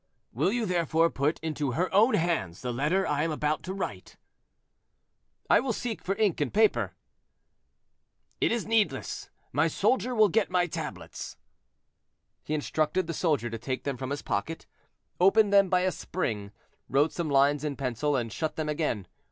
"Will you therefore put into her own hands the letter I am about to write?" "I will seek for ink and paper." "It is needless, my soldier will get my tablets." He instructed the soldier to take them from his pocket, opened them by a spring, wrote some lines in pencil, and shut them again.